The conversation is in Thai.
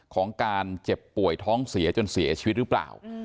ของการเจ็บป่วยท้องเสียจนเสียชีวิตหรือเปล่า